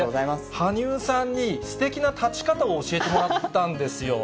羽生さんにすてきな立ち方を教えてもらったんですよ。